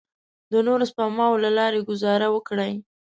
د نورو سپماوو له لارې ګوزاره وکړئ.